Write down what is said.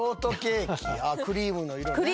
クリームの色ね。